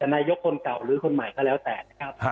นายกคนเก่าหรือคนใหม่ก็แล้วแต่นะครับ